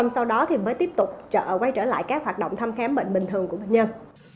sau đó thì mới tiếp tục quay trở lại các hoạt động thăm khám bệnh bình thường của bệnh nhân